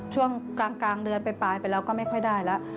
ช่วงกลางเดือนปลายไปแล้วก็ไม่ค่อยได้แล้ว